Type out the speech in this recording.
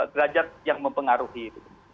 derajat yang mempengaruhi itu